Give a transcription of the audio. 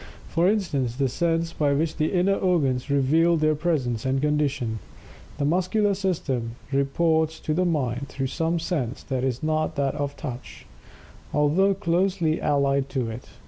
For instance, the sense by which the inner organs revealed their presence and condition, The muscular system reports to the mind through some sense that is not that of "touch," although closely allied to it.